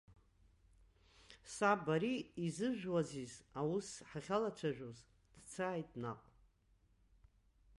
Саб, абри изыжәуазиз аус ҳахьалацәажәоз, дцааит наҟ!